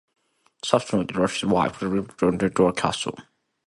Sutherland and his wife lived at Dunrobin Castle.